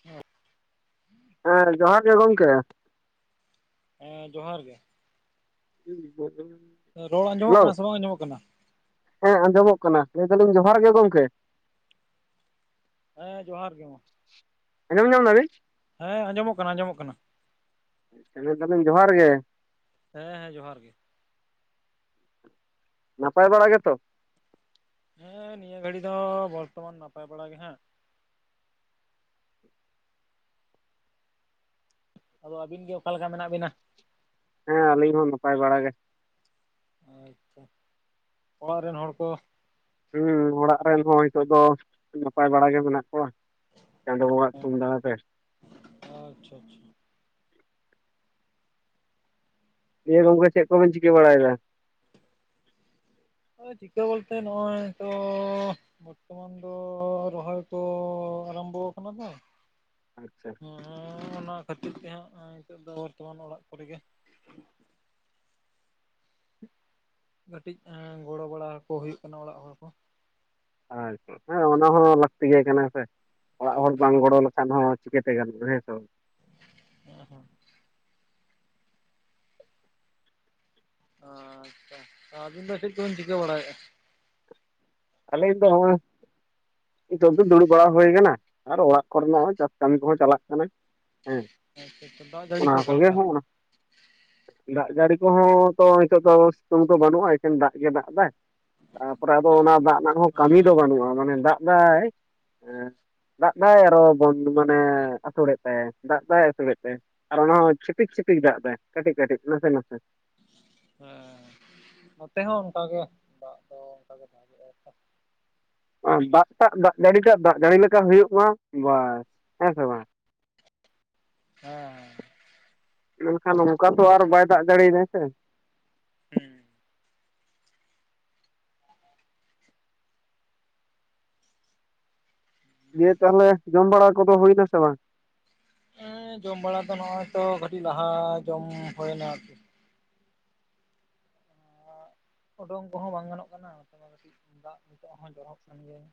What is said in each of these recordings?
ᱦᱮᱸ ᱦᱮᱸ ᱡᱚᱦᱟᱨ ᱜᱮ ᱜᱚᱝᱠᱮ ᱦᱮᱸ ᱡᱚᱦᱟᱨ ᱜᱮ [unintelligible] ᱨᱚᱲ ᱟᱸᱡᱚᱢᱚᱜ ᱦᱮᱞᱳ ᱠᱟᱱᱟ ᱥᱮ ᱵᱟᱝ ᱟᱸᱡᱚᱢᱚᱜ ᱠᱟᱱᱟ? ᱦᱮᱸ ᱟᱸᱡᱚᱢᱚᱜ ᱠᱟᱱᱟ ᱞᱟᱹᱭ ᱫᱟᱞᱤᱧ ᱡᱚᱦᱟᱨ ᱜᱮ ᱜᱚᱢᱠᱮ? ᱦᱮᱸ ᱡᱚᱦᱟᱨ ᱜᱮ ᱢᱟ ᱟᱡᱚᱢ ᱧᱟᱢ ᱫᱟᱵᱤᱱ? ᱦᱮᱸ ᱟᱸᱡᱚᱢᱚᱜ ᱠᱟᱱᱟ ᱟᱸᱡᱚᱢᱚᱜ ᱠᱟᱱᱟ ᱿ ᱞᱟᱹᱤᱫᱟᱞᱤᱧ ᱡᱚᱦᱟᱨ ᱜᱮᱼᱼ ᱦᱮᱸ ᱦᱮᱸ ᱡᱚᱦᱟᱨ ᱜᱮ ᱱᱟᱯᱟᱭ ᱵᱟᱲᱟ ᱜᱮᱛᱚ? ᱦᱮᱸ ᱱᱤᱭᱟᱹ ᱜᱷᱟᱹᱲᱤ ᱫᱚ ᱵᱚᱨᱛᱚᱢᱟᱱ ᱱᱟᱯᱟᱭ ᱵᱟᱲᱟ ᱜᱮ ᱦᱟᱜ᱾ ᱟᱫᱚ ᱟᱹᱵᱤᱱ ᱜᱮ ᱚᱠᱟᱞᱮ ᱞᱮᱠᱟ ᱢᱮᱱᱟᱜ ᱵᱤᱱᱟ? ᱦᱮᱸ ᱟᱹᱞᱤᱧ ᱦᱚᱸ ᱱᱟᱯᱟᱭ ᱵᱟᱲᱟᱟᱜ ᱜᱮ᱾ ᱟᱪᱪᱷᱟ ᱚᱲᱟᱜ ᱨᱮᱱ ᱦᱚᱲ ᱠᱚ? ᱦᱮᱸ ᱚᱲᱟᱜ ᱨᱮᱱ ᱦᱚᱸ ᱱᱤᱛᱚᱜ ᱫᱚ ᱱᱟᱯᱟᱭ ᱵᱟᱲᱟ ᱜᱮ ᱢᱮᱱᱟᱜ ᱠᱚᱣᱟ᱾ ᱪᱟᱸᱫᱚ ᱵᱚᱝᱜᱟ ᱟᱜ ᱛᱷᱩᱢ ᱫᱟᱲᱮ ᱛᱮ ᱟᱪᱪᱷᱟ, ᱟᱪᱪᱷᱟ ᱤᱭᱟᱹ ᱜᱚᱢᱠᱮ ᱪᱮᱫ ᱠᱚᱵᱮᱱ ᱪᱤᱠᱟᱹ ᱵᱟᱲᱟᱭᱮᱫᱟ? ᱦ ᱴᱷᱤᱠᱟᱹ ᱵᱚᱞᱛᱮ ᱱᱚᱚᱭ ᱛᱚᱼᱼ ᱵᱚᱨᱛᱚ ᱢᱟᱱ ᱫᱚ ᱨᱚᱦᱚᱭ ᱫᱚ ᱟᱨᱟᱢᱵᱚ ᱟᱠᱟᱱᱟ ᱛᱚ ᱟᱪᱪᱷᱟ ᱦᱮ ᱚᱱᱟ ᱠᱷᱟᱹᱛᱤᱨ ᱛᱮ ᱦᱟᱸᱜ ᱱᱤᱛᱚᱜ ᱫᱚ ᱵᱚᱨᱛᱚᱢᱟᱱ ᱚᱲᱟᱜ ᱠᱚᱨᱮ ᱜᱮᱼᱼ ᱠᱟᱹᱴᱤᱡ ᱜᱚᱲᱚ ᱵᱟᱲᱟ ᱠᱚ ᱦᱩᱭᱩᱜ ᱠᱟᱱᱟ ᱚᱲᱟᱜ ᱦᱚᱲ ᱠᱚ᱾ ᱟᱪᱪᱷᱟ ᱦᱮᱸ ᱚᱱᱟ ᱦᱚᱸ ᱞᱟᱹᱠᱛᱤ ᱜᱮ ᱠᱟᱱᱟ ᱥᱮ ᱚᱲᱟᱜ ᱦᱚᱲ ᱵᱟᱝ ᱜᱚᱲᱚ ᱞᱮ ᱠᱷᱟᱱ ᱦᱚᱸ ᱪᱤᱠᱛᱮ ᱜᱟᱱᱚᱜ-ᱟ ᱦᱮᱸ ᱥᱮ ᱵᱟᱝ ᱦᱮᱸ ᱦᱮᱸ ᱟᱪᱪᱷᱟ ᱟᱤᱱ ᱫᱚ ᱪᱮᱫᱟᱜ ᱠᱚ ᱰᱤᱱ ᱪᱤᱠᱟ ᱵᱟᱲᱟᱭᱟ ᱮᱟ᱾ ᱟᱹᱞᱤᱧ ᱫᱚᱼᱼ ᱱᱤᱛᱚᱝ ᱫᱚ, ᱫᱩᱲᱩᱵ ᱵᱟᱲᱟ ᱦᱩᱭ ᱟᱠᱟᱱᱟ ᱟᱨ ᱚᱲᱟᱜ ᱠᱚᱨᱮ ᱱᱟᱜ ᱦᱚᱸ, ᱪᱟᱥ ᱠᱟᱹᱢᱤ ᱠᱚᱦᱚᱸ, ᱪᱟᱞᱟᱜ ᱠᱟᱱᱟ ᱾ ᱦᱮᱸ, ᱟᱪᱪᱷᱟ ᱟᱪᱪᱷᱟ ᱫᱟᱜ ᱡᱟᱹᱲᱤ ᱠᱚ ᱚᱱᱟ ᱚᱠᱟ ᱠᱚᱜᱮ ᱞᱮᱠᱟ? ᱦᱚᱸ, ᱫᱟᱜ ᱡᱟᱹᱲᱤ ᱠᱚᱦᱚᱸ ᱛᱚ, ᱱᱤᱛᱚᱜ ᱫᱚ, ᱥᱤᱛᱩᱝ ᱫᱚ ᱵᱟᱹᱱᱩᱜᱼᱟ, ᱮᱠᱷᱮᱱ ᱫᱟᱜ ᱜᱮ ᱫᱟᱜ ᱮᱫᱟᱭ ᱾ ᱛᱟ ᱯᱚᱨᱮ ᱟᱫᱚ, ᱚᱱᱟ ᱫᱟᱜ ᱨᱮᱱᱟᱜ ᱦᱚᱸ, ᱠᱟᱹᱢᱤ ᱫᱚ ᱵᱟᱹᱱᱩᱜᱼᱟ, ᱢᱟᱱᱮ ᱫᱟᱜ ᱮᱫᱟᱭ ᱾ ᱫᱟᱜ ᱮᱫᱟᱭ, ᱟᱨᱚ ᱵᱚᱱ ᱢᱟᱱᱮ, ᱟᱹᱥᱩᱲᱮᱫ ᱛᱟᱭᱟ ᱾ ᱫᱟᱜ ᱮᱫᱟᱭ ᱟᱹᱥᱩᱲᱮᱫ ᱛᱟᱭᱟ ᱾ ᱟᱨ ᱚᱱᱟ ᱦᱚᱸ, ᱪᱷᱤᱯᱤᱠ ᱪᱷᱤᱯᱤᱠ ᱫᱟᱜ ᱮᱫᱟᱭ, ᱠᱟᱹᱴᱤᱡ ᱠᱟᱹᱴᱤᱡ, ᱱᱟᱥᱮ ᱱᱟᱥᱮ ᱦᱮᱸᱻ, ᱱᱚᱛᱮ ᱦᱚᱸ ᱚᱱᱠᱟ ᱜᱮ, ᱫᱟᱜ ᱮᱫᱟᱭ, ᱚᱱᱠᱟ ᱜᱮ ᱫᱟᱜ ᱮᱫᱟᱭ ᱾ ᱫᱟᱜ ᱴᱟᱜ, ᱫᱟᱜ ᱡᱟᱹᱲᱤ ᱴᱟᱜ, ᱫᱟᱜ ᱡᱟᱹᱲᱤ ᱞᱮᱠᱟ ᱦᱩᱭᱩᱜ ᱢᱟ, ᱵᱟᱥ, ᱦᱮᱸ ᱥᱮ ᱵᱟᱝ ᱾ ᱦᱮᱸᱻ ᱾ ᱢᱮᱱᱠᱷᱟᱱ ᱚᱱᱠᱟ ᱛᱚ, ᱟᱨ ᱵᱟᱭ ᱫᱟᱜ ᱡᱟᱹᱲᱤ ᱮᱫᱟᱭ ᱥᱮ? ᱦᱮᱸᱻ ᱾ ᱫᱤᱭᱮ ᱛᱟᱦᱚᱞᱮ, ᱡᱚᱢ ᱵᱟᱲᱟ ᱠᱚᱫᱚ, ᱦᱩᱭ ᱮᱱᱟ ᱥᱮ ᱵᱟᱝ? ᱮᱸᱻᱡᱚᱢ ᱵᱟᱲᱟ ᱫᱚ ᱱᱚᱜᱼᱚᱭ ᱛᱚ, ᱠᱟᱹᱴᱤᱡ ᱞᱟᱦᱟ, ᱡᱚᱢ ᱦᱩᱭᱮᱱᱟ, ᱟᱨᱠᱤ ᱾ ᱟᱸᱼ ᱩᱰᱩᱝ ᱠᱚᱦᱚᱸ, ᱵᱟᱝ ᱜᱟᱱᱚᱜ ᱠᱟᱱᱟ ᱾ ᱱᱚᱛᱮ ᱢᱟ, ᱠᱟᱹᱴᱤᱡ ᱫᱟᱜ, ᱱᱤᱛᱚᱜ ᱦᱚᱸ, ᱡᱚᱨᱚᱜ ᱠᱟᱱ ᱜᱮᱭᱟ ᱾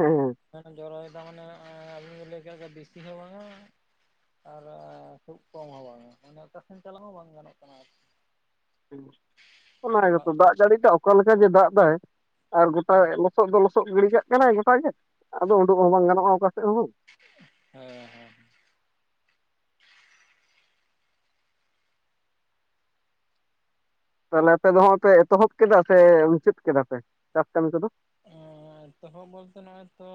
ᱮᱸᱻ ᱾ ᱚᱠᱟ ᱴᱟᱜ, ᱡᱚᱨᱚᱭ ᱮᱫᱟ, ᱢᱟᱱᱮ, ᱚᱸᱻᱭ [inaudible] ᱵᱤᱥᱤ ᱦᱚᱸ ᱵᱟᱝᱟ ᱾ ᱟᱨ, ᱠᱷᱩᱵ ᱠᱚᱢ ᱦᱚᱸ ᱵᱟᱝᱟ, ᱢᱟᱱᱮ, ᱚᱠᱟ ᱥᱮᱱ ᱪᱟᱞᱟᱜ ᱦᱚᱸ, ᱵᱟᱝ ᱜᱟᱱᱚᱜ ᱠᱟᱱᱟ, ᱟᱨᱠᱤ ᱾ ᱚᱱᱟ ᱚᱲᱟᱜ ᱜᱮᱛᱚ, ᱠᱷᱚᱱ᱾ ᱫᱟᱜ ᱡᱟᱹᱲᱤ ᱴᱟᱜ, ᱚᱠᱟ ᱞᱮᱠᱟ ᱡᱮ, ᱫᱟᱜ ᱮᱫᱟᱭ ᱾ ᱟᱨ, ᱜᱚᱴᱟ ᱞᱚᱥᱚᱫ ᱫᱚ, ᱞᱚᱥᱚᱫ ᱜᱤᱰᱤ ᱠᱟᱜ ᱠᱟᱱᱟᱭ ᱜᱚᱴᱟᱜ ᱜᱮ ᱾ ᱟᱫᱚ ᱩᱰᱩᱜ ᱦᱚᱸ, ᱵᱟᱝ ᱜᱟᱱᱚᱜᱼᱟ, ᱚᱠᱟ ᱥᱮᱫ ᱦᱚᱸ ᱾ ᱵᱟᱝ [inaudible] ᱦᱮᱸ ᱦᱮᱸ ᱾ ᱛᱟᱦᱟᱞᱮ, ᱟᱯᱮ ᱫᱚ ᱦᱟᱸᱜ ᱯᱮ, ᱮᱛᱚᱦᱚᱵ ᱠᱮᱫᱟ ᱥᱮ, ᱢᱩᱪᱟᱹᱫ ᱠᱮᱫᱟ ᱯᱮ, ᱪᱟᱥ ᱠᱟᱹᱢᱤ ᱠᱚᱫᱚ? ᱦᱮᱸᱻ, ᱮᱛᱚᱦᱚᱵ ᱵᱚᱞᱛᱮ, ᱱᱚᱜᱼᱚᱭ ᱛᱚ,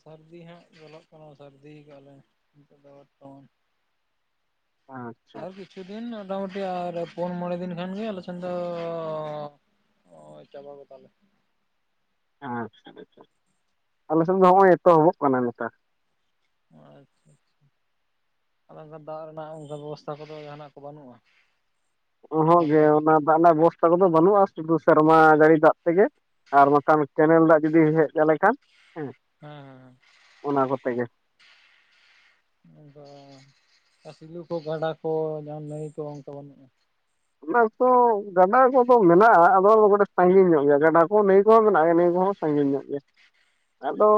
ᱥᱟᱹᱨᱫᱤ ᱦᱟᱸᱜ ᱧᱚᱞᱚᱜ ᱠᱟᱱᱟ, ᱥᱟᱹᱨᱫᱤ ᱟᱠᱟᱜᱼᱟ ᱞᱮ ᱾ ᱱᱤᱛᱚᱜ ᱫᱚ ᱛᱚ [unintelligible] ᱟᱸᱻᱪ ᱾ ᱟᱨ ᱠᱤᱪᱷᱩ ᱫᱤᱱ, ᱢᱳᱴᱟ ᱢᱩᱴᱤ ᱟᱨ ᱯᱩᱱ ᱢᱚᱬᱮ ᱫᱤᱱ, ᱠᱷᱟᱱ ᱜᱮ, ᱟᱞᱮ ᱥᱮᱱ ᱫᱚᱻ ᱦᱚᱭ, ᱪᱟᱵᱟ ᱜᱚᱫᱟᱞᱮ ᱾ ᱟᱻᱪᱪᱷᱟ, ᱟᱞᱮ ᱥᱮᱫ ᱫᱚ, ᱦᱚᱸᱜᱼᱚᱭ ᱮᱛᱚᱦᱚᱵᱚᱜ ᱠᱟᱱᱟ, ᱱᱮᱛᱟᱨ ᱟᱻᱪᱪᱷᱟ, ᱪᱪᱷᱟ ᱟᱼᱪᱪᱷᱟ ᱾ ᱟᱫᱚ, ᱚᱱᱠᱟᱱ ᱫᱟᱜ ᱨᱮᱱᱟᱜ, ᱚᱱᱠᱟ ᱵᱮᱵᱚᱥᱛᱷᱟ ᱠᱚᱫᱚ, ᱡᱟᱦᱟᱱᱟᱜ ᱠᱚ, ᱵᱟᱹᱱᱩᱜᱼᱟ ᱾ ᱩᱸᱼᱦᱩᱸᱜ ᱜᱮ, ᱚᱱᱟ ᱫᱟᱜ ᱨᱮᱱᱟᱜ, ᱵᱮᱵᱚᱥᱛᱷᱟ ᱠᱚᱫᱚ ᱵᱟᱹᱱᱩᱜᱼᱟ, ᱥᱩᱫᱩ ᱥᱮᱨᱢᱟ ᱜᱟᱹᱲᱤ ᱫᱟᱜ ᱛᱮᱜᱮ ᱾ ᱟᱨ ᱵᱟᱠᱷᱟᱱ, ᱠᱮᱱᱮᱞ ᱫᱟᱜ ᱡᱩᱫᱤ, ᱦᱮᱡ ᱟᱞᱮ ᱠᱷᱟᱱ, ᱦᱮᱸ ᱾ ᱦᱮᱸᱻᱦᱮᱸᱻᱦᱮᱸ ᱾ ᱚᱱᱟ ᱠᱚᱛᱮ ᱜᱮ ᱾ ᱟᱫᱚ, ᱥᱤᱞᱩ ᱠᱚ, ᱜᱟᱰᱟ ᱠᱚ, ᱡᱟᱦᱟᱸ ᱱᱟᱹᱭ ᱠᱚ, ᱚᱱᱠᱟ ᱵᱟᱹᱱᱩᱜᱼᱟ ᱾ ᱚᱱᱟ ᱠᱚ, ᱜᱟᱰᱟ ᱠᱚᱫᱚ ᱢᱮᱱᱟᱜᱼᱟ ᱾ ᱟᱫᱚ, ᱚᱱᱟ ᱠᱟᱹᱴᱤᱡ ᱥᱟᱺᱜᱤᱧ ᱧᱚᱜ ᱜᱮᱭᱟ ᱾ ᱜᱟᱰᱟ ᱠᱚ, ᱱᱟᱹᱭ ᱠᱚᱦᱚᱸ, ᱢᱮᱱᱟᱜ ᱜᱮᱭᱟ, ᱱᱟᱹᱭ ᱠᱚᱦᱚᱸ ᱾ ᱥᱟᱺᱜᱤᱧ ᱧᱚᱜ ᱜᱮᱭᱟ ᱾ ᱟᱫᱚ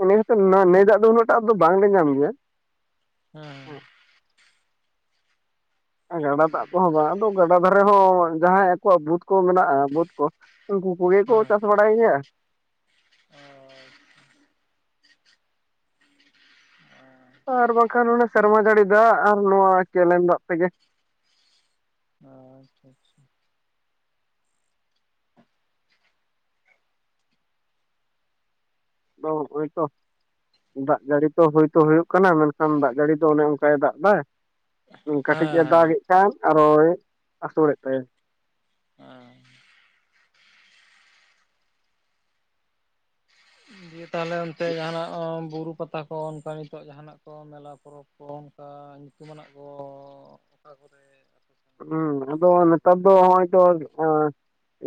ᱩᱱᱤᱦᱚᱸᱛᱚ ᱱᱟᱼᱱᱟᱹᱭ ᱫᱟᱜ ᱫᱚ, ᱩᱱᱟᱹᱜ ᱴᱟᱜ ᱫᱚ, ᱵᱟᱝ ᱞᱮ ᱧᱟᱢ ᱜᱮᱭᱟ ᱾ ᱦᱮᱸᱻ ᱾ ᱜᱟᱰᱟ ᱫᱟᱜ ᱠᱚᱦᱚᱸ ᱵᱟᱝ, ᱟᱫᱚ, ᱜᱟᱰᱟ ᱫᱷᱟᱨᱮ ᱦᱚᱸ, ᱡᱟᱦᱟᱸᱭ ᱟᱠᱚᱣᱟᱜ ᱵᱟᱹᱫᱽ ᱠᱚ ᱢᱮᱱᱟᱜᱼᱟ, ᱵᱟᱹᱫᱽ ᱠᱚ, ᱩᱱᱠᱩ ᱠᱚᱜᱮ ᱠᱚ, ᱪᱟᱥ ᱵᱟᱰᱟᱭ ᱜᱮᱭᱟ ᱾ ᱟᱻᱪᱪᱷᱟ ᱾ ᱟᱨ ᱵᱟᱝᱠᱷᱟᱱ, ᱚᱱᱮ ᱥᱮᱨᱢᱟ ᱡᱟᱹᱲᱤ ᱫᱟᱜ, ᱟᱨ ᱱᱚᱣᱟ ᱠᱮᱞᱮᱱ ᱫᱟᱜ ᱛᱮᱜᱮ ᱾ ᱟᱻ ᱪᱪᱷᱟ ᱟᱪᱪᱷᱟ ᱾ ᱫᱚᱸᱜ, ᱚᱼᱤᱭ ᱛᱚ ᱾ ᱫᱟᱜ ᱡᱟᱹᱲᱤ ᱛᱚ, ᱦᱩᱭ ᱛᱳ ᱦᱩᱭᱩᱜ ᱠᱟᱱᱟ ᱾ ᱢᱮᱱᱠᱷᱟᱱ ᱫᱟᱜ ᱡᱟᱹᱲᱤ ᱫᱚ, ᱚᱱᱮ ᱚᱱᱠᱟᱭ ᱫᱟᱜ ᱮᱫᱟ ᱾ ᱠᱟᱹᱴᱤᱡ ᱮ ᱦᱮᱸ ᱦᱮᱸ ᱫᱟᱜᱮᱫ ᱠᱷᱟᱱ ᱟᱨᱚᱭ ᱟᱹᱥᱩᱲᱮᱫ ᱛᱟᱭᱟ᱾ ᱦᱮᱸ ᱫᱤᱭᱮ ᱛᱟᱦᱚᱞᱮ ᱚᱱᱛᱮ ᱡᱟᱦᱟᱱᱟᱜ ᱵᱩᱨᱩ ᱯᱟᱛᱟᱼᱼ ᱠᱚ ᱚᱱᱠᱟ ᱱᱤᱛᱚᱜ ᱡᱟᱦᱟᱱᱟᱜ ᱠᱚ ᱢᱮᱞᱟ ᱯᱚᱨᱚᱵᱽ ᱠᱚ ᱚᱱᱠᱟ ᱧᱩᱛᱩᱢᱟᱱᱟᱜ ᱠᱚ, ᱚᱠᱟ ᱠᱚᱨᱮ ᱟᱯᱮ ᱥᱮᱱ ᱫᱚ ᱦᱩᱸ ᱚᱱᱠᱟᱱᱟᱜ ᱟᱫᱚ ᱢᱮᱱᱟᱜ ᱟᱥᱮ ᱱᱮᱛᱟᱨ ᱵᱟᱝ? ᱫᱚ ᱦᱚᱜ-ᱚᱭ ᱛᱚᱼᱼ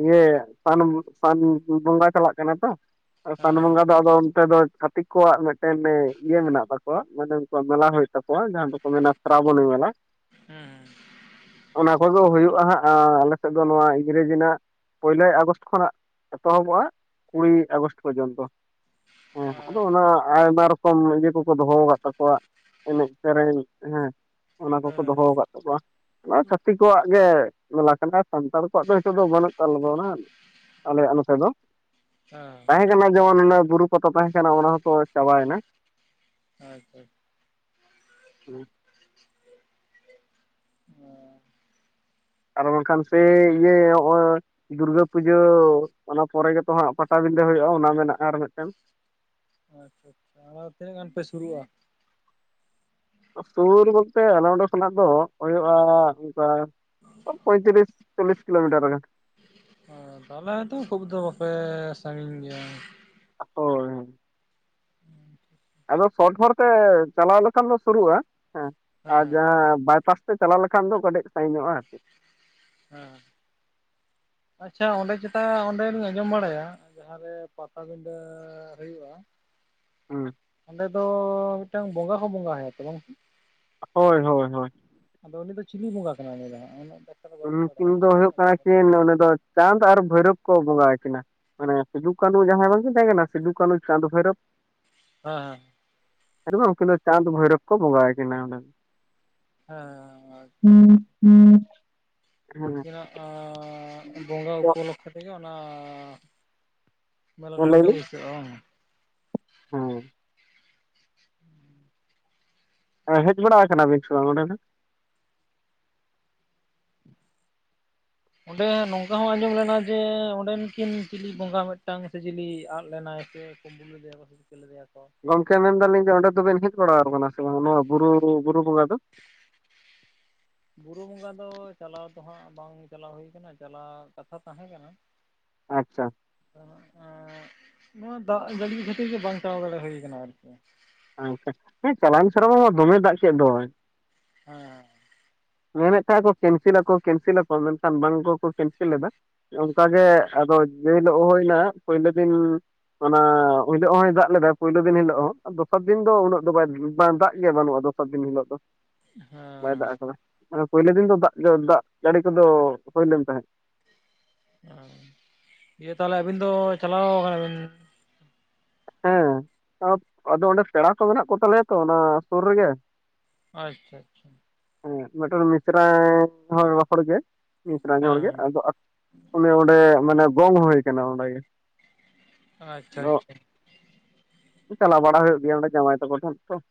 ᱤᱭᱟᱹ ᱥᱟᱱ ᱥᱟᱱ ᱵᱚᱸᱜᱟ ᱪᱟᱞᱟᱜ ᱠᱟᱱᱟ ᱛᱚ ᱥᱟᱱ ᱦᱮᱸ ᱵᱚᱸᱜᱟᱼᱼ ᱫᱚ ᱟᱫᱚ ᱚᱱᱛᱮ ᱫᱚ ᱪᱷᱟᱹᱛᱤᱠ ᱠᱚᱣᱟᱜ ᱢᱤᱫᱴᱮᱱ ᱤᱭᱟᱹ ᱢᱮᱱᱟᱜ ᱛᱟᱠᱚᱣᱟ ᱢᱟᱱᱮ ᱩᱱᱠᱩᱣᱟᱜ ᱢᱮᱞᱟ ᱦᱩᱭᱩᱜ ᱛᱟᱠᱚᱣᱟ ᱡᱟᱦᱟᱸ ᱫᱚᱠᱚ ᱢᱮᱱᱟᱼᱼ ᱥᱨᱟᱵᱚᱱᱤ ᱢᱮᱞᱟ᱾ ᱦᱩᱸ ᱦᱩᱸ ᱚᱱᱟ ᱠᱚᱜᱮ ᱦᱩᱭᱩᱜᱼᱟ ᱦᱟᱸᱜ ᱟᱞᱮ ᱥᱮᱫ ᱫᱚ ᱱᱚᱣᱟ ᱤᱝᱨᱮᱡᱤ ᱨᱮᱱᱟᱜ ᱯᱳᱭᱞᱟᱭ ᱟᱜᱚᱥᱴ ᱠᱷᱚᱱᱟᱜ᱾ ᱮᱛᱚᱦᱚᱵᱚᱜᱼᱟ ᱠᱩᱲᱤ ᱟᱜᱚᱥᱴ ᱯᱚᱨᱡᱚᱱᱛᱚ᱾ ᱦᱮᱸ ᱟᱫᱚ ᱚᱱᱟ ᱟᱭᱢᱟ ᱨᱚᱠᱚᱢ ᱤᱭᱟᱹ ᱠᱚ᱾ ᱠᱚ ᱫᱚᱦᱚ ᱟᱠᱟᱫ ᱛᱟᱠᱚᱣᱟ ᱮᱱᱮᱡ ᱥᱮᱨᱮᱧ ᱦᱮᱸ ᱚᱱᱟ ᱠᱚᱠᱚ ᱫᱚᱦᱚ ᱦᱮᱸ ᱟᱠᱟᱫ ᱛᱟᱠᱚᱣᱟ᱾ ᱚᱱᱟ ᱪᱷᱟᱹᱛᱤᱠ ᱠᱚᱣᱟᱜ ᱜᱮ ᱢᱮᱞᱟ ᱠᱟᱱᱟ᱾ ᱥᱟᱱᱛᱟᱲ ᱠᱚᱣᱟᱜ ᱫᱚ ᱱᱤᱛᱚᱜ ᱫᱚ ᱵᱟᱹᱱᱩᱜ ᱛᱟᱞᱵᱚᱱᱟ ᱟᱞᱮᱭᱟᱜ ᱱᱚᱛᱮ ᱫᱚ᱾ ᱦᱮᱸ ᱛᱟᱦᱮᱸ ᱠᱟᱱᱟ ᱡᱮᱢᱚᱱ ᱚᱱᱟ ᱵᱩᱨᱩ ᱯᱟᱛᱟ ᱛᱟᱦᱮᱸ ᱠᱟᱱᱟ ᱚᱱᱟ ᱦᱚᱸᱛᱚ ᱪᱟᱵᱟᱭᱮᱱᱟ᱾ ᱟᱪᱪᱷᱟᱼᱼ ᱦᱮᱸ [unintelligible] ᱟᱨ ᱵᱟᱝ ᱠᱷᱟᱱ ᱥᱮ ᱤᱭᱟᱹ ᱱᱚᱜᱼᱚᱭ᱾ ᱫᱩᱨᱜᱟᱹ ᱯᱩᱡᱟᱹ ᱚᱱᱟ ᱯᱚᱨᱮ ᱜᱮᱛᱚ ᱦᱟᱸᱜ ᱯᱟᱴᱟᱵᱤᱸᱫᱟᱹ ᱦᱩᱭᱩᱜᱼᱟ ᱚᱱᱟ ᱢᱮᱱᱟᱜᱼᱟ ᱟᱨ ᱢᱤᱫᱴᱮᱱᱼᱼ ᱟᱪᱪᱷᱟ ᱟᱪᱷᱟ ᱟᱫᱚ ᱛᱤᱱᱟᱹᱜ ᱜᱟᱱ ᱯᱮ ᱥᱩᱨᱩᱜᱼᱟ? ᱥᱩᱨ ᱵᱚᱞᱛᱮ ᱟᱞᱮ ᱚᱸᱰᱮ ᱠᱷᱱᱟᱜ ᱫᱚ ᱦᱩᱭᱩᱜᱼᱟ ᱚᱱᱠᱟᱼᱼ ᱯᱚᱸᱭᱛᱨᱤᱥ ᱪᱚᱞᱤᱥ ᱠᱤᱞᱳᱢᱤᱴᱟᱨᱴ ᱜᱟᱱ᱾ ᱦᱮᱸ ᱛᱟᱦᱚᱞᱮ ᱛᱚ ᱠᱷᱩᱵ ᱫᱚ ᱵᱟᱯᱮ ᱥᱟᱺᱜᱤᱧ ᱜᱮᱭᱟ᱾ ᱦᱳᱭ ᱦᱮᱸ᱾ ᱦᱮᱸ [inaudible] ᱟᱫᱚ ᱥᱚᱴ ᱦᱚᱨ ᱛᱮ ᱪᱟᱞᱟᱣ ᱞᱮᱠᱷᱟᱱ ᱫᱚ ᱥᱩᱨᱩᱜᱼᱟ ᱦᱮᱸ ᱟᱨ ᱦᱮᱸ ᱡᱟᱦᱟᱸ ᱵᱟᱭᱯᱟᱥᱼᱼ ᱛᱮ ᱪᱟᱞᱟᱣ ᱞᱮᱠᱷᱟᱱ ᱫᱚ ᱠᱟᱹᱴᱤᱡ ᱥᱟᱜᱤᱧᱚᱜᱼᱟ ᱟᱨᱠᱤ᱾ ᱦᱮᱸ [unintelligible] ᱟᱪᱪᱷᱟ ᱚᱸᱰᱮ ᱪᱮᱛᱟ ᱚᱸᱰᱮ ᱞᱤᱧ ᱟᱸᱡᱚᱢ ᱵᱟᱲᱟᱭᱟ ᱡᱟᱦᱟᱸᱨᱮ ᱯᱟᱴᱟᱵᱤᱸᱰᱟᱹ ᱦᱩᱭᱩᱜᱼᱟ᱾ ᱦᱩᱸ ᱚᱸᱰᱮ ᱫᱚ ᱢᱤᱫᱴᱟᱝ ᱵᱚᱸᱜᱟ ᱦᱚᱸ ᱵᱚᱸᱜᱟ ᱛᱚ ᱵᱟᱝ᱾ ᱦᱳᱭ ᱦᱳᱭ ᱦᱳᱭ᱾ ᱟᱫᱚ ᱩᱱᱤ ᱫᱚ ᱪᱤᱞᱤ ᱵᱚᱸᱜᱟ ᱠᱟᱱᱟᱭ ᱩᱱᱤᱴᱟᱜ ᱫᱚ? ᱵᱟᱹᱞᱤᱧ ᱵᱟᱰᱟᱭᱟ ᱩᱱᱠᱤᱱ ᱫᱚ ᱦᱩᱭᱩᱜ ᱦᱮᱸ ᱠᱟᱱᱟ ᱠᱤᱱ ᱱᱚᱸᱰᱮ ᱫᱚ ᱪᱟᱸᱫᱽ ᱟᱨ ᱵᱷᱳᱭᱨᱳᱵ ᱠᱚ ᱵᱚᱸᱜᱟ ᱟᱹᱠᱤᱱᱟ᱾ ᱢᱟᱱᱮ ᱥᱤᱫᱩ ᱠᱟᱹᱱᱩ ᱡᱟᱦᱟᱸᱭ ᱵᱟᱝᱠᱤᱱ ᱛᱟᱦᱮᱸ ᱠᱟᱱᱟ ᱥᱤᱫᱩ ᱠᱟᱹᱱᱩ ᱪᱟᱸᱫᱳ ᱵᱷᱳᱭᱨᱚᱵ᱾ ᱦᱮᱸ ᱦᱮᱸ ᱵᱟᱝ ᱩᱱᱠᱤᱱ ᱫᱚ ᱪᱟᱸᱫᱽ ᱵᱷᱳᱨᱚᱵ ᱠᱚ ᱵᱚᱜᱟᱣᱟ ᱠᱤᱱᱟ ᱚᱰᱮ ᱫᱚ᱾ ᱦᱮᱸ ᱟᱪᱷᱟ᱾ ᱦᱮᱸ [inaudible] ᱩᱱᱠᱤᱱᱟᱜ ᱵᱚᱸᱜᱟ ᱫᱚ ᱩᱯᱚᱞᱚᱠᱠᱷᱮ ᱛᱮᱜᱮ ᱚᱱᱟᱼᱼ ᱢᱮᱞᱟ ᱦᱮᱸ ᱴᱷᱟᱺᱰᱤ ᱞᱟᱹᱭ ᱫᱚ ᱵᱤᱱ ᱵᱟᱭᱥᱟᱜ-ᱟ ᱵᱟᱝ, ᱦᱮᱸ ᱦᱮᱡ ᱵᱟᱲᱟ ᱟᱠᱟᱱᱟ ᱱᱟᱵᱤᱱ ᱥᱮ ᱵᱟᱝ ᱚᱰᱮ ᱫᱚ? ᱚᱸᱰᱮ ᱱᱚᱝᱠᱟ ᱦᱚᱸ ᱟᱸᱡᱚᱢ ᱞᱮᱱᱟ ᱡᱮ ᱚᱸᱰᱮᱱ ᱠᱤᱱ ᱪᱤᱞᱤ ᱵᱚᱸᱜᱟ ᱢᱤᱫᱴᱟᱝ ᱥᱮ ᱪᱤᱞᱤ ᱟᱫ ᱞᱮᱱᱟᱭ ᱥᱮ ᱠᱩᱢᱵᱩ ᱞᱮᱫᱮᱭᱟᱠᱚ ᱥᱮ ᱪᱤᱠᱟᱹ ᱠᱮᱞᱞᱮᱭᱟ ᱠᱚ᱾ ᱜᱚᱝᱠᱮ ᱢᱮᱱ ᱫᱟᱞᱤᱧ ᱡᱮ ᱚᱸᱰᱮ ᱫᱚᱵᱮᱱ ᱦᱮᱡ ᱵᱟᱲᱟᱣ ᱠᱟᱱᱟ ᱥᱮ ᱵᱟᱝ ᱱᱚᱣᱟ ᱵᱩᱨᱩ, ᱵᱩᱨᱩ ᱵᱚᱸᱜᱟ ᱫᱚ? ᱵᱩᱨᱩ ᱵᱚᱸᱜᱟ ᱫᱚ ᱪᱟᱞᱟᱣ ᱫᱚ ᱦᱟᱸᱜ ᱵᱟᱝ ᱪᱟᱞᱟᱣ ᱦᱩᱭ ᱟᱠᱟᱱᱟ ᱪᱟᱞᱟᱣ ᱠᱟᱛᱷᱟ ᱛᱟᱦᱮᱸ ᱠᱟᱱᱟ ᱟᱪᱪᱷᱟ ᱾ ᱟᱸᱜ ᱱᱚᱣᱟ ᱫᱟᱜᱽ ᱡᱟᱹᱲᱤ ᱠᱷᱟᱹᱛᱤᱨ ᱜᱮ ᱵᱟᱝ ᱪᱟᱞᱟᱣ ᱫᱟᱲᱮ ᱦᱩᱭ ᱟᱠᱟᱱᱟ ᱟᱨᱠᱤ ᱾ ᱟᱪᱪᱷᱟ ᱦᱮᱸ ᱪᱟᱞᱟᱣ ᱥᱮᱨᱢᱟ ᱢᱟ ᱫᱚᱢᱮ ᱫᱟᱜᱽ ᱠᱮᱫ ᱫᱚᱭ ᱾ ᱦᱟᱸ ᱾ ᱢᱮᱱᱮᱫ ᱛᱟᱦᱮᱸᱜ ᱠᱚ ᱠᱮᱱᱥᱮᱞ ᱞᱟᱠᱚ ᱠᱮᱱᱥᱮᱞ ᱞᱟᱠᱚ ᱢᱮᱱᱠᱷᱟᱱ ᱵᱟᱝ ᱠᱚᱠᱚ ᱠᱮᱱᱥᱮᱞ ᱮᱫᱟ ᱾ ᱚᱱᱠᱟ ᱜᱮ ᱟᱫᱚ ᱡᱮᱦᱤᱞᱚᱜ ᱦᱩᱭᱮᱱᱟ ᱯᱳᱭᱞᱳ ᱫᱤᱱ ᱚᱱᱟ ᱩᱞᱚᱜ ᱦᱚᱭ ᱫᱟᱜᱽ ᱞᱮᱫᱟ ᱯᱩᱭᱞᱩ ᱫᱤᱱ ᱦᱤᱞᱚᱜ ᱦᱚᱸ ᱾ ᱫᱚᱥᱟᱨ ᱫᱤᱱ ᱫᱚ ᱩᱱᱟᱹᱜ ᱫᱚ ᱵᱟᱭ ᱵᱟᱝ ᱫᱟᱜᱽ ᱜᱮ ᱵᱟᱹᱱᱩᱜᱼᱟ ᱫᱚᱥᱟᱨ ᱫᱤᱱ ᱦᱤᱞᱚᱜ ᱫᱚ ᱾ ᱦᱟᱸ ᱾ ᱵᱟᱭ ᱫᱟᱜᱽ ᱟᱠᱟᱫᱟ ᱢᱟᱱᱮ ᱯᱩᱭᱞᱩ ᱫᱤᱱ ᱫᱚ ᱫᱟᱜᱽ ᱫᱟᱜᱽ ᱡᱟᱹᱲᱤ ᱠᱚᱫᱚ ᱦᱩᱭ ᱞᱮᱱ ᱛᱟᱦᱮᱸᱜ ᱾ ᱚᱸ ᱤᱭᱟᱹ ᱛᱟᱦᱞᱮ ᱟᱵᱤᱱ ᱫᱚ ᱪᱟᱞᱟᱣ ᱣᱟᱠᱟᱱᱟ ᱵᱤᱱ? ᱦᱮᱸ ᱟᱫᱚ ᱚᱸᱰᱮ ᱯᱮᱲᱟ ᱠᱚ ᱢᱮᱱᱟᱜ ᱠᱚ ᱛᱟᱞᱮᱭᱟ ᱛᱚ ᱚᱱᱟ ᱥᱩᱨ ᱨᱮᱜᱮ ᱾ ᱟᱪᱪᱷᱟ ᱟᱪᱪᱷᱟ ᱾ ᱦᱮᱸ ᱢᱤᱫᱴᱚᱱ ᱢᱤᱥᱨᱟ ᱦᱚᱲᱜᱮ ᱢᱤᱥᱨᱟᱹᱧ ᱦᱮᱸ ᱦᱚᱲᱜᱮ ᱟᱫᱚ ᱟᱠ ᱚᱱᱮ ᱚᱸᱰᱮ ᱢᱟᱱᱮ ᱜᱚᱝ ᱦᱩᱭ ᱟᱠᱟᱱᱟ ᱚᱸᱰᱮ ᱜᱮ ᱾ ᱟᱪᱪᱷᱟ ᱟᱪᱪᱷᱟ ᱾ ᱪᱟᱞᱟᱣ ᱵᱟᱲᱟ ᱦᱩᱭᱩᱜ ᱜᱮᱭᱟ ᱚᱸᱰᱮ ᱡᱟᱢᱟᱭ ᱛᱟᱠᱚ ᱴᱷᱮᱱ ᱛᱚ ᱾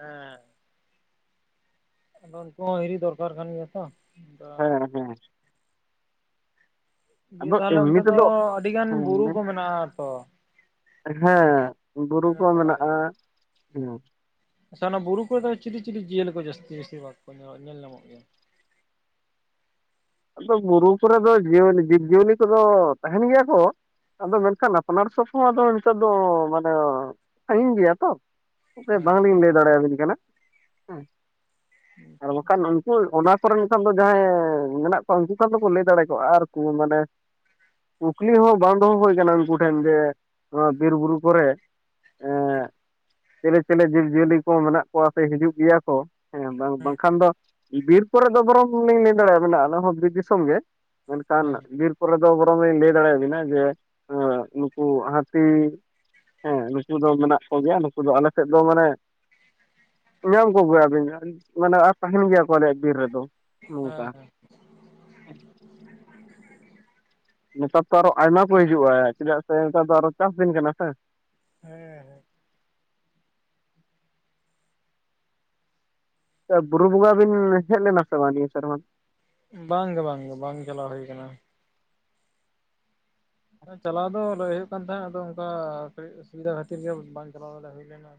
ᱦᱮᱸ ᱾ ᱟᱫᱚ ᱩᱱᱠᱩ ᱦᱚᱸ ᱦᱤᱨᱤ ᱫᱚᱨᱠᱟᱨ ᱠᱟᱱ ᱜᱮᱭᱟ ᱛᱚ ᱾ ᱦᱮᱸ ᱦᱮᱸ ᱾ ᱤᱭᱟᱹ ᱟᱫᱚ ᱛᱟᱞᱦᱮ ᱚᱱᱛᱮ ᱮᱢᱱᱤ ᱫᱚ ᱛᱮᱫᱚ ᱟᱹᱰᱤ ᱜᱟᱱ ᱦᱮᱸ ᱵᱩᱨᱩ ᱠᱚ ᱢᱮᱱᱟᱜᱼᱟ ᱛᱚ ᱾ ᱦᱮᱸ ᱵᱩᱨᱩ ᱠᱚ ᱵᱟᱲᱟ ᱦᱩᱭ ᱢᱮᱱᱟᱜᱼᱟ ᱠᱟᱱᱟ ᱦᱩᱸ ᱾ ᱟᱪᱪᱷᱟ ᱚᱱᱟ ᱵᱩᱨᱩ ᱠᱚᱨᱮ ᱫᱚ ᱪᱤᱞᱤ ᱪᱤᱞᱤ ᱡᱤᱭᱟᱹᱞᱤ ᱠᱚ ᱡᱟᱹᱥᱛᱤ ᱵᱤᱥᱤ ᱵᱟᱠᱚ ᱧᱮᱞ, ᱧᱮᱞ ᱧᱟᱢᱚᱜ ᱜᱮᱭᱟ ᱾ ᱟᱫᱚ ᱵᱩᱨᱩ ᱠᱚᱨᱮ ᱫᱚ ᱡᱤᱭᱟᱹᱞᱤ ᱡᱤᱵᱽ ᱡᱤᱭᱟᱹᱞᱤ ᱠᱚᱫᱚ ᱛᱟᱦᱮᱸᱱ ᱜᱮᱭᱟ ᱠᱚ᱾ ᱟᱫᱚ ᱢᱮᱱᱠᱷᱟᱱ ᱟᱯᱱᱟᱨ ᱥᱚᱯᱥᱚᱢᱚᱭ ᱦᱚᱸ ᱫᱚ ᱱᱤᱛᱚᱜ ᱫᱚ ᱢᱟᱱᱮ ᱥᱟᱺᱜᱤᱧ ᱜᱮᱭᱟ ᱛᱚ ᱾ ᱱᱚᱛᱮ ᱵᱟᱝ ᱦᱮᱸ ᱞᱤᱧ ᱞᱟᱹᱭ ᱫᱟᱲᱮ ᱭᱟᱵᱤᱱ ᱠᱟᱱᱟ ᱦᱮᱸ ᱾ ᱦᱩᱸ ᱾ ᱵᱟᱠᱷᱟᱱ ᱩᱱᱠᱩ ᱚᱱᱟ ᱠᱚᱨᱮᱱ ᱠᱷᱚᱱ ᱫᱚ ᱡᱟᱦᱟᱸᱭ ᱢᱮᱱᱟᱜ ᱩᱱᱠᱩ ᱠᱷᱟᱱ ᱫᱚᱠᱚ ᱞᱟᱹᱭ ᱫᱟᱲᱮ ᱠᱚᱼᱟ ᱟᱨ ᱠᱩ ᱢᱟᱱᱮ ᱠᱩᱠᱞᱤ ᱦᱚᱸ ᱵᱟᱝ ᱫᱚᱦᱚ ᱦᱩᱭ ᱠᱟᱱᱟ ᱩᱱᱠᱩ ᱴᱷᱮᱱ ᱡᱮ ᱱᱚᱣᱟ ᱵᱤᱨ ᱵᱩᱨᱩ ᱠᱚᱨᱮ ᱮᱸᱜ ᱪᱮᱞᱮ ᱪᱮᱞᱮ ᱡᱤᱵᱽᱼᱡᱤᱭᱟᱹᱞᱤ ᱠᱚ ᱢᱮᱱᱟᱜ ᱠᱚᱣᱟ ᱥᱮ ᱦᱤᱡᱩᱜ ᱜᱮᱭᱟ ᱠᱚ ᱾ ᱦᱮᱸ ᱵᱟᱝ ᱵᱟᱝᱠᱷᱟᱱ ᱫᱚ ᱵᱤᱨ ᱠᱚᱨᱮ ᱫᱚ ᱵᱚᱨᱚᱝ ᱞᱤᱧ ᱞᱟᱹᱭ ᱫᱟᱲᱮᱭᱟᱜ ᱵᱮᱱᱟ ᱟᱞᱮ ᱦᱚᱸ ᱵᱤᱨ ᱫᱤᱥᱚᱢ ᱜᱮ ᱾ ᱢᱮᱱᱠᱟᱱ ᱦᱮᱸ ᱦᱮᱸ ᱵᱤᱨ ᱠᱚᱨᱮ ᱫᱚ ᱵᱚᱨᱚᱤᱧ ᱞᱟᱹᱭ ᱫᱟᱲᱮ ᱭᱟᱵᱤᱱᱟ ᱡᱮ ᱱᱩᱠᱩ ᱦᱟᱹᱛᱤ ᱦᱮᱸ ᱱᱩᱠᱩ ᱫᱚ ᱢᱮᱱᱟᱜ ᱠᱚᱜᱮᱭᱟ ᱱᱩᱠᱩ ᱫᱚ ᱟᱞᱮ ᱥᱮᱫ ᱫᱚ ᱢᱟᱱᱮ ᱧᱟᱢ ᱠᱚᱜᱮᱭᱟᱵᱤᱱ ᱢᱟᱱᱮ ᱟᱨ ᱛᱟᱦᱮᱸᱱ ᱜᱮᱭᱟ ᱠᱚ ᱟᱞᱮᱭᱟᱜ ᱵᱤᱨ ᱨᱮᱫᱚ ᱱᱚᱝᱠᱟ᱾ ᱦᱮᱸ ᱦᱮᱸ ᱦᱮᱸ ᱟᱪ ᱾ ᱱᱮᱛᱟᱨ ᱛᱚ ᱟᱨᱚ ᱟᱭᱢᱟ ᱠᱚ ᱦᱤᱡᱩᱜᱼᱟ ᱪᱮᱫᱟᱜ ᱥᱮ ᱱᱮᱛᱟᱨ ᱫᱚ ᱟᱨᱚ ᱪᱟᱥ ᱫᱤᱱ ᱠᱟᱱᱟ ᱥᱮ ᱾ ᱦᱮᱸ ᱦᱮᱸ ᱾ ᱵᱩᱨᱩ ᱵᱚᱸᱜᱟ ᱵᱤᱱ ᱦᱮᱡ ᱞᱮᱱᱟ ᱥᱮ ᱵᱟᱝ ᱱᱤᱭᱟᱹ ᱥᱮᱨᱢᱟ? ᱵᱟᱝᱜᱮ ᱵᱟᱝᱜᱮ ᱵᱟᱝ ᱪᱟᱞᱟᱣ ᱦᱩᱭ ᱭᱟᱠᱟᱱᱟ ᱾ ᱪᱟᱞᱟᱣ ᱫᱚ ᱞᱟᱹᱭ ᱦᱳᱭᱳᱜ ᱠᱟᱱ ᱛᱟᱦᱮᱸᱫ ᱟᱫᱚ ᱚᱱᱠᱟ ᱠᱟᱹᱴᱤᱡ ᱚᱥᱩᱵᱤᱫᱟ ᱠᱷᱟᱹᱛᱤᱨ ᱜᱮ ᱵᱟᱝ ᱪᱟᱞᱟᱣ ᱵᱟᱲᱮ ᱦᱳᱭ ᱞᱮᱱᱟ᱾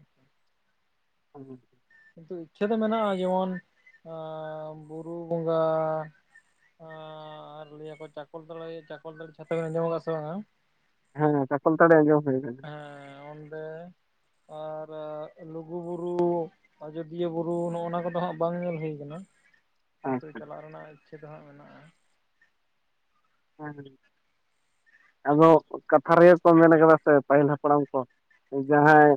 [unintelligible] ᱠᱤᱱᱛᱩ ᱤᱪᱪᱷᱟᱹ ᱫᱚ ᱢᱮᱱᱟᱜᱼᱟ ᱡᱮᱢᱚᱱ ᱵᱩᱨᱩ ᱵᱚᱸᱜᱟᱼᱼ ᱟᱨ ᱞᱮᱭᱟ ᱠᱚ ᱪᱟᱠᱚᱞ ᱛᱚᱞᱮ ᱪᱟᱠᱚᱞ ᱛᱚᱞᱮ ᱪᱷᱟᱛᱟ ᱵᱮᱱ ᱟᱸᱡᱚᱢᱚᱜᱼᱟ ᱥᱮ ᱵᱟᱝᱼᱟ? ᱦᱮᱸ ᱪᱟᱠᱚᱞ ᱛᱟᱨᱤ ᱟᱡᱚᱢ ᱦᱳᱭ ᱠᱟᱱᱟ᱾ ᱦᱮᱸ ᱚᱸᱰᱮ ᱟᱨ ᱞᱩᱜᱩ ᱵᱩᱨᱩᱼᱼ ᱟᱡᱚᱫᱤᱭᱟᱹ ᱵᱩᱨᱩ ᱱᱚᱜᱼᱱᱟ ᱠᱚᱫᱚ ᱦᱟᱸᱜ ᱵᱟᱝ ᱧᱮᱞ ᱦᱩᱭ ᱠᱟᱱᱟ ᱱᱤᱛᱚᱜ ᱟᱪᱪᱷᱟ ᱪᱟᱞᱟᱜ ᱨᱮᱱᱟᱜᱼᱼ ᱪᱷᱮᱫ ᱦᱟᱸᱜ ᱢᱮᱱᱟᱜᱼᱟ᱾ ᱦᱮᱸ ᱟᱫᱚ ᱠᱟᱛᱷᱟ ᱨᱮᱜᱮ ᱠᱚ ᱢᱮᱱ ᱠᱟᱫᱟ ᱥᱮ ᱯᱟᱹᱦᱤᱞ ᱦᱟᱯᱲᱟᱢ ᱠᱚᱼᱼ ᱦᱮᱸ ᱡᱟᱦᱟᱸᱭ,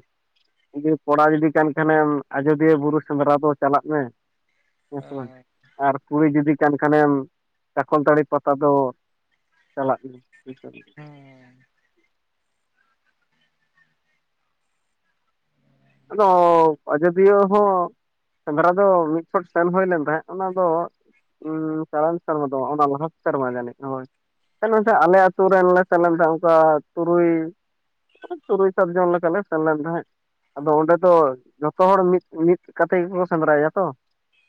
ᱡᱩ ᱠᱚᱲᱟ ᱡᱩᱫᱤ ᱠᱟᱱ ᱠᱷᱟᱱᱮᱢ ᱟᱡᱚᱫᱤᱭᱟᱹ ᱵᱩᱨᱩ ᱥᱮᱸᱫᱽᱨᱟ ᱫᱚ ᱪᱟᱞᱟᱜ ᱢᱮ ᱦᱮᱸᱥᱮ ᱵᱟᱝ ᱟᱨ ᱠᱩᱲᱤ ᱡᱩᱫᱤ ᱠᱟᱱ ᱠᱷᱟᱱᱮᱢ ᱪᱟᱠᱚᱞᱛᱟᱹᱲᱤ ᱯᱟᱛᱟ ᱫᱚᱼᱼ ᱪᱟᱞᱟᱜ ᱢᱮ ᱦᱮᱸ ᱟᱫᱚ ᱟᱡᱚᱫᱤᱭᱟᱹ ᱦᱚᱸ ᱥᱮᱸᱫᱽᱨᱟ ᱫᱚ ᱢᱤᱫ ᱥᱚᱴ ᱥᱮᱱ ᱦᱳᱭ ᱞᱮᱱ ᱛᱟᱦᱮᱸᱡ ᱚᱱᱟ ᱫᱚᱼᱼ ᱪᱟᱞᱟᱣ ᱮᱱ ᱥᱚᱨᱢᱟ ᱫᱚ ᱚᱱᱟ ᱞᱟᱦᱟ ᱥᱮᱨᱢᱟ ᱡᱟᱹᱱᱤᱡ ᱦᱳᱭ ᱱᱟᱠᱷᱟᱡ ᱦᱮᱸ ᱟᱞᱮ ᱟᱹᱛᱩ ᱨᱮᱱ ᱞᱮᱼᱼ ᱥᱮᱱ ᱞᱮᱱ ᱛᱟᱦᱮᱸᱱ ᱚᱱᱠᱟ ᱛᱩᱨᱩᱭ ᱛᱩᱨᱩᱭ ᱥᱟᱛ ᱡᱚᱱ ᱞᱮᱠᱟ ᱞᱮ ᱥᱮᱱ ᱞᱮᱱ ᱛᱟᱦᱮᱸᱫ ᱟᱫᱚ ᱚᱸᱰᱮ ᱫᱚ ᱡᱷᱚᱛᱚ ᱦᱚᱲ ᱢᱤᱫ ᱢᱤᱫ ᱠᱟᱛᱮ ᱜᱮᱠᱚ ᱥᱮᱸᱫᱽᱨᱟᱭᱟ ᱛᱚᱼᱼ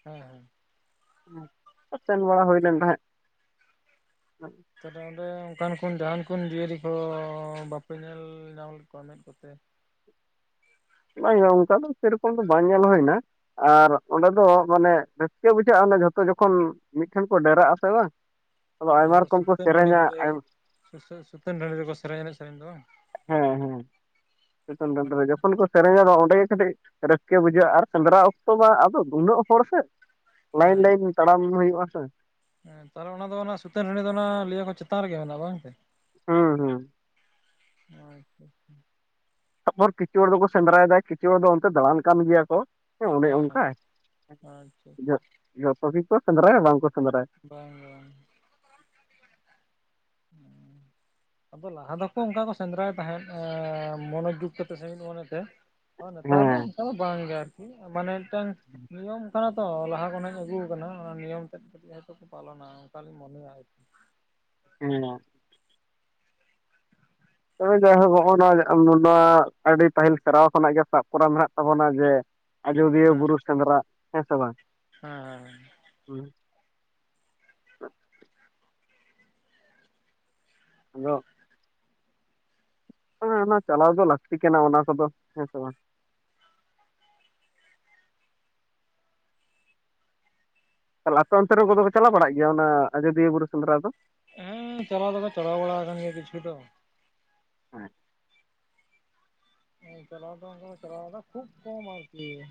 ᱦᱮᱸ ᱦᱮᱸ ᱥᱮᱱ ᱵᱟᱲᱟ ᱦᱳᱭ ᱞᱮᱱ ᱛᱟᱦᱮᱸᱡ ᱛᱟᱞᱮ ᱚᱸᱰᱮ ᱚᱱᱠᱟᱱ ᱠᱚ ᱡᱟᱦᱟᱱ ᱠᱚ ᱡᱤᱭᱟᱹᱞᱤ ᱠᱚ ᱵᱟᱯᱮ ᱧᱮᱞ ᱧᱟᱢ ᱞᱮᱫ ᱠᱚᱣᱟ ᱢᱮᱫ ᱠᱚᱛᱮ ᱵᱟᱝᱭᱟ ᱚᱱᱠᱟ ᱫᱚ ᱥᱮᱨᱚᱠᱚᱢ ᱫᱚ ᱵᱟᱝ ᱧᱮᱞ ᱦᱳᱭᱱᱟ ᱟᱨ ᱚᱸᱰᱮ ᱫᱚ ᱢᱟᱱᱮ ᱨᱟᱹᱥᱠᱟᱹ ᱵᱩᱡᱷᱟᱹᱜᱼᱟ ᱚᱱᱮ ᱡᱷᱚᱛᱚ ᱡᱚᱠᱷᱚᱱ ᱢᱤᱫᱴᱷᱮᱱ ᱠᱚ ᱰᱮᱨᱟᱜ ᱟᱥᱮ ᱵᱟᱝ᱾ ᱟᱫᱚ ᱟᱭᱢᱟ ᱨᱚᱠᱚᱢ ᱠᱚ ᱥᱮᱨᱮᱧᱟᱼᱼ ᱥᱩᱥᱳ ᱥᱩᱛᱟᱹᱱ ᱰᱟᱺᱰᱤ ᱨᱮᱠᱚ ᱥᱮᱨᱮᱧ ᱮᱱᱮᱡ ᱥᱮᱨᱮᱧ ᱫᱚ ᱵᱟᱝ ᱦᱮᱸ ᱦᱮᱸ ᱪᱮᱛᱟᱱ ᱴᱟᱸᱰ ᱨᱮ ᱡᱚᱠᱷᱚᱱ ᱠᱚ ᱥᱮᱨᱮᱧᱟ ᱚᱸᱰᱮ ᱜᱮ ᱠᱟᱹᱴᱤᱡᱼᱼ ᱨᱟᱹᱥᱠᱟᱹ ᱵᱩᱡᱷᱟᱹᱜ-ᱟ ᱟᱨ ᱥᱮᱸᱫᱽᱨᱟ ᱚᱠᱛᱚ ᱢᱟ ᱟᱫᱚ ᱱᱩᱱᱟᱹᱜ ᱦᱚᱲ ᱥᱮᱼᱼ ᱞᱟᱭᱤᱱ ᱦᱮᱸ ᱞᱟᱭᱤᱱ ᱛᱟᱲᱟᱢ ᱦᱩᱭᱩᱜᱼᱟ ᱥᱮ ᱦᱮᱸ ᱛᱟᱦᱚᱞᱮ ᱚᱱᱟ ᱫᱚ ᱚᱱᱟ ᱥᱩᱛᱟᱹᱱ ᱴᱟᱹᱰᱤ ᱫᱚ ᱚᱱᱟ ᱞᱟᱹᱭᱟ ᱠᱚ ᱪᱮᱛᱟᱱ ᱨᱮᱜᱮ ᱢᱮᱱᱟᱜ-ᱟ ᱵᱟᱝ ᱥᱮ? ᱦᱩᱸ ᱦᱩᱸ [unintelligible] ᱛᱟᱨᱯᱚᱨ ᱠᱤᱪᱷᱩ ᱦᱚᱲ ᱫᱚᱠᱚ ᱥᱮᱸᱫᱽᱨᱟᱭ ᱮᱫᱟ ᱠᱤᱪᱷᱩ ᱦᱚᱲ ᱫᱚ ᱚᱱᱛᱮ ᱫᱟᱬᱟᱱ ᱠᱟᱱ ᱜᱮᱭᱟ ᱠᱚ ᱦᱮᱸ ᱚᱱᱮ ᱚᱱᱠᱟ ᱦᱮᱸ ᱟᱪᱪᱷᱟ ᱡᱚᱛᱚ ᱜᱮᱠᱚ ᱥᱮᱸᱫᱽᱨᱟᱭᱟ ᱵᱟᱝ ᱠᱚ ᱥᱮᱸᱫᱽᱨᱟᱭᱟ᱾ ᱵᱟᱝ ᱵᱟᱝ ᱟᱫᱚ ᱞᱟᱦᱟ ᱫᱚᱠᱚ ᱚᱱᱠᱟ ᱠᱚ ᱥᱮᱸᱫᱽᱨᱟᱭ ᱛᱟᱦᱮᱸᱫ ᱢᱚᱱᱮ ᱡᱩᱜ ᱛᱮ ᱥᱮ ᱢᱤᱫ ᱢᱚᱱᱮ ᱛᱮ ᱦᱚᱸ ᱱᱮᱛᱟᱨ ᱫᱚ ᱦᱮᱸ ᱚᱱᱠᱟ ᱫᱚ ᱵᱟᱝ ᱜᱮ ᱟᱨᱠᱤ ᱢᱟᱱᱮ ᱢᱤᱫ ᱴᱟᱝ ᱱᱤᱭᱚᱢᱼᱼ ᱠᱟᱱᱟ ᱛᱚ ᱞᱟᱦᱟ ᱠᱷᱚᱱᱟᱜ ᱤᱧ ᱟᱹᱜᱩ ᱟᱠᱟᱱᱟ ᱚᱱᱟ ᱱᱤᱭᱚᱢ ᱛᱮᱫ ᱠᱟᱹᱴᱤᱡ ᱦᱚᱭᱛᱳ ᱠᱚ ᱯᱟᱞᱚᱱᱟ ᱚᱱᱠᱟᱞᱤᱧ ᱢᱚᱱᱮᱭᱟ ᱦᱚᱭᱛᱚ ᱦᱮᱸ ᱛᱚᱵᱮ ᱡᱟᱭᱦᱳᱠ ᱱᱚᱜᱼᱚ ᱱᱚᱣᱟ ᱱᱚᱣᱟ ᱟᱹᱰᱤ ᱯᱟᱹᱦᱤᱞ ᱥᱮᱨᱣᱟ ᱠᱷᱚᱱᱟᱜ ᱜᱮ ᱥᱟᱵ ᱠᱚᱨᱟᱣ ᱢᱮᱱᱟᱜ ᱛᱟᱵᱚᱱᱟ ᱡᱮᱼᱼ ᱟᱡᱚᱫᱷᱤᱭᱟᱹ ᱵᱩᱨᱩ ᱥᱮᱸᱫᱽᱨᱟ ᱦᱮᱸ ᱥᱮ ᱵᱟᱝ ᱦᱮᱸᱻ ᱦᱩᱸ ᱟᱫᱚ ᱚᱱᱟ ᱪᱟᱞᱟᱣ ᱫᱚ ᱞᱟᱹᱠᱛᱤ ᱠᱟᱱᱟ ᱚᱱᱟ ᱠᱚᱫᱚ ᱦᱮᱸ ᱥᱮ ᱵᱟᱝ? ᱪᱟᱞᱟᱣ ᱛᱚ ᱚᱱᱛᱮ ᱨᱮ ᱠᱚᱫᱚ ᱠᱚ ᱪᱟᱞᱟᱣ ᱵᱟᱲᱟᱜ ᱜᱮᱭᱟ ᱚᱱᱟ ᱟᱡᱚᱫᱤᱭᱟᱹ ᱵᱩᱨᱩ ᱥᱮᱸᱫᱽᱨᱟ ᱫᱚ? ᱦᱮᱸ ᱪᱟᱞᱟᱣ ᱫᱚᱠᱚ ᱪᱟᱞᱟᱣ ᱵᱟᱲᱟ ᱟᱠᱟᱱ ᱜᱮᱭᱟ ᱠᱤᱪᱷᱩ ᱫᱚ ᱾ ᱦᱮᱸᱜ ᱪᱟᱞᱟᱣ ᱠᱟᱱ ᱜᱮᱭᱟ ᱪᱟᱞᱟᱣ ᱫᱟ ᱠᱷᱩᱵᱽ ᱠᱚᱢ ᱟᱨᱠᱤ ᱾